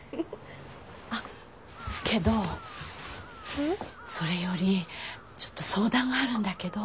あっけどそれよりちょっと相談があるんだけど。